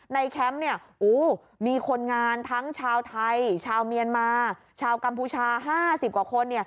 แคมป์มีคนงานทั้งชาวไทยชาวเมียนมาชาวกัมพูชา๕๐กว่าคน